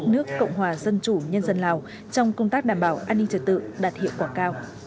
nước cộng hòa dân chủ nhân dân lào trong công tác đảm bảo an ninh trật tự đạt hiệu quả cao